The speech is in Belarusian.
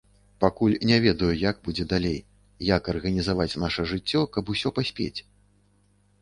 Пакуль не ведаю, як будзе далей, як арганізаваць наша жыццё, каб усё паспець.